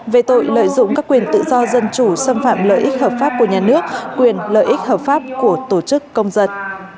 về tội lợi dụng các quyền tự do dân chủ xâm phạm lợi ích hợp pháp của nhà nước quyền lợi ích hợp pháp của tổ chức công dân